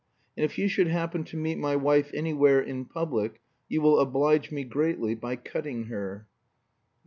And if you should happen to meet my wife anywhere in public, you will oblige me greatly by cutting her."